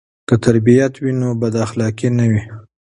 که تربیت وي نو بداخلاقي نه وي.